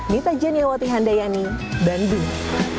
nita jeniawati handayani bandung